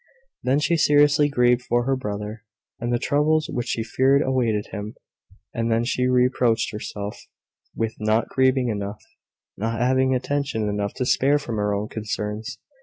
Then she seriously grieved for her brother, and the troubles which she feared awaited him; and then she reproached herself with not grieving enough not having attention enough to spare from her own concerns.